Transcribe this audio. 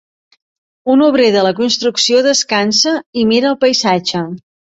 Un obrer de la construcció descansa i mira el paisatge.